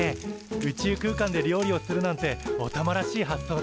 宇宙空間で料理をするなんておたまらしい発想だ。